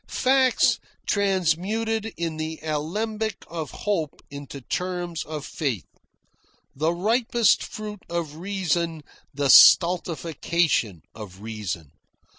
Facts transmuted in the alembic of hope into terms of faith. The ripest fruit of reason the stultification of reason.